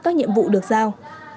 các nhiệm vụ được giao